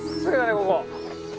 ここ。